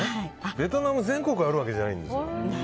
ベトナムの全国にあるわけじゃないんですよ。